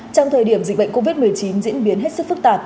trong thời điểm dịch bệnh covid một mươi chín diễn biến hết sức phức tạp